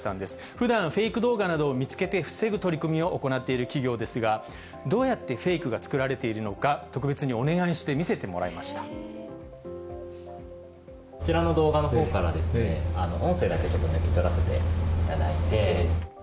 ふだん、フェイク動画などを見つけて防ぐ取り組みを行っている企業ですが、どうやってフェイクが作られているのか、特別にお願いして見せてこちらの動画のほうからですけれども、音声だけちょっと抜き取らせていただいて。